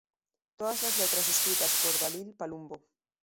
Todas las letras escritas por Daryl Palumbo.